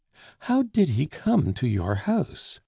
"How did he come to your house?"